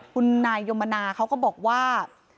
คุณนายยมนาเขาก็บอกว่า